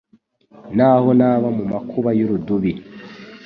N’aho naba mu makuba y’urudubi